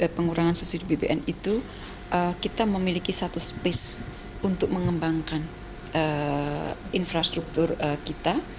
pengurangan subsidi bbm itu kita memiliki satu space untuk mengembangkan infrastruktur kita